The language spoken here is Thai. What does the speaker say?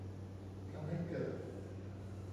ทำให้เกิด